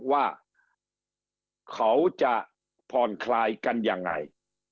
ว่าเขาจะพรคลายกันอย่างไร